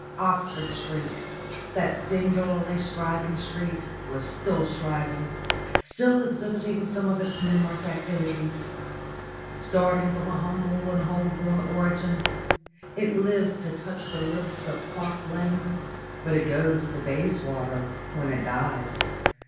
Oxford Street, that singularly striving street, was still striving, still exhibiting some of its numerous activities. Starting from a humble and Holborn origin, it lives to touch the lips of Park Lane, but it goes to Bayswater when it dies.